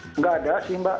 tidak ada sih mbak